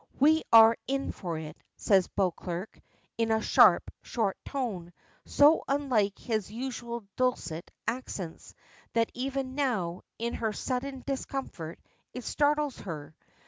"We are in for it," says Beauclerk in a sharp, short tone, so unlike his usual dulcet accents that even now, in her sudden discomfort, it startles her.